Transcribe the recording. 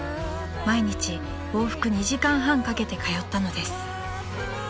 ［毎日往復２時間半かけて通ったのです］